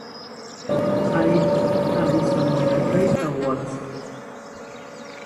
Ari awijamotakae awotziki